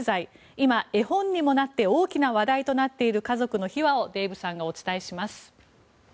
今、絵本にもなって大きな話題となっている家族の秘話をデーブさんがお伝えします。